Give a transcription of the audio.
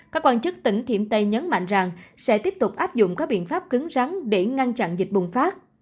các quan chức tỉnh thiểm tây nhấn mạnh rằng sẽ tiếp tục áp dụng các biện pháp cứng rắn để ngăn chặn dịch bùng phát